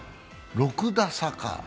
６打差か。